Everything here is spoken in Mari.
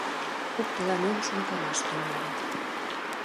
Коктеланен шонкалаш тӱҥале.